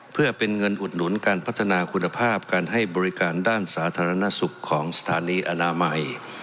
เพื่อเป็นเงินอุดหนุนการพัฒนาคุณภาพการให้บริการด้านสาธารณสุขของสถานีอนามัย